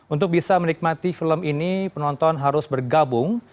untuk bisa menikmati film ini penonton harus bergabung